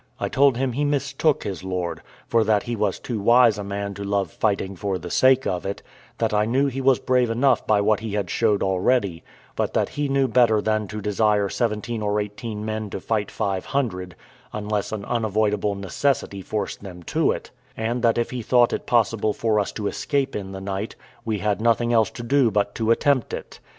I told him he mistook his lord: for that he was too wise a man to love fighting for the sake of it; that I knew he was brave enough by what he had showed already; but that he knew better than to desire seventeen or eighteen men to fight five hundred, unless an unavoidable necessity forced them to it; and that if he thought it possible for us to escape in the night, we had nothing else to do but to attempt it.